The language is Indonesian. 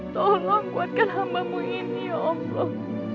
tolong kuatkan hambamu ini ya allah